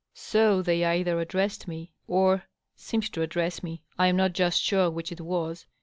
So they either addressed me or seemed to address me — I am not just sure which it was.